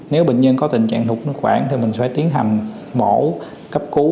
nếu bệnh nhân có tình trạng thủng thực quản thì mình sẽ tiến hành mổ cấp cứu